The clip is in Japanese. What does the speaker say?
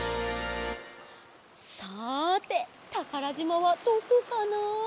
さてたからじまはどこかな？